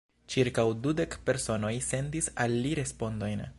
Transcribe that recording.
Ĉirkaŭ dudek personoj sendis al li respondojn.